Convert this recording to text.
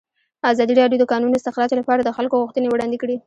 ازادي راډیو د د کانونو استخراج لپاره د خلکو غوښتنې وړاندې کړي.